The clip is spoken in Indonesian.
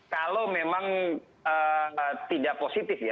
kalau memang tidak positif ya